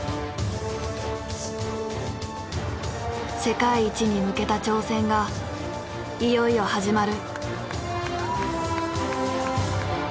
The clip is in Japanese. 世界一に向けた挑戦がいよいよ始まる。